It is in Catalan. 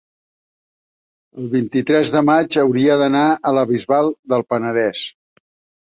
el vint-i-tres de maig hauria d'anar a la Bisbal del Penedès.